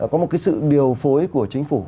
có một cái sự điều phối của chính phủ